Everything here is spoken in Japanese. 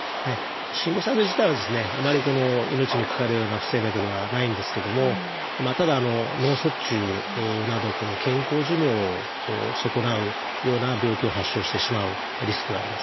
心房細動自体はですねあまり命に関わるような不整脈ではないんですけどもただ脳卒中など健康寿命を損なうような病気を発症してしまうリスクがあります。